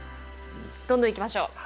どんどんいきましょう。